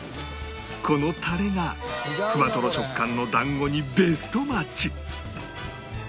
このタレがふわとろ食感の団子にベストマッチ